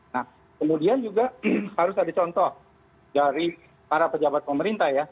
nah kemudian juga harus ada contoh dari para pejabat pemerintah ya